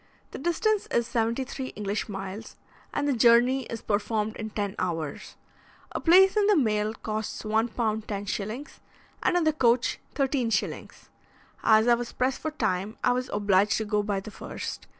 The distance is seventy three English miles, and the journey is performed in ten hours. A place in the mail costs 1 pounds 10s., and in the coach 13s. As I was pressed for time, I was obliged to go by the first.